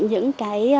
những bài hát